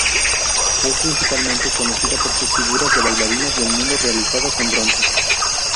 Es principalmente conocida por sus figuras de bailarinas del mundo realizadas en bronce.